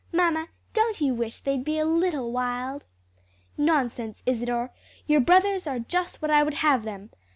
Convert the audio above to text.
"Mamma, don't you wish they'd be a little wild?" "Nonsense, Isadore! your brothers are just what I would have them!